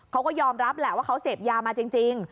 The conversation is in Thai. เขาก็ยอมรับแหละว่าเขาเสพยามาจริง